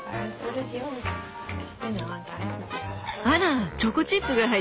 あらチョコチップが入ってる。